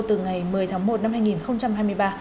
từ ngày một mươi tháng một năm hai nghìn hai mươi ba